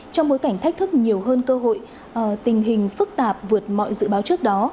trong bối cảnh thách thức nhiều hơn cơ hội tình hình phức tạp vượt mọi dự báo trước đó